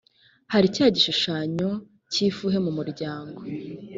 hari cya gishushanyo cy ifuhe mu muryango